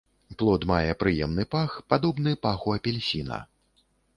Плод мае прыемны пах, падобны паху апельсіна.